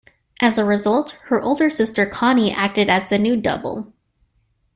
As a result, her older sister Connie acted as the nude double.